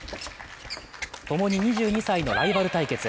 共に２２歳のライバル対決。